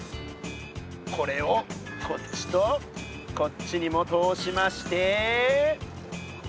これをこっちとこっちにも通しまして。